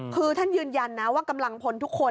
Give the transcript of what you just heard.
คือท่านยืนยันนะว่ากำลังพลทุกคน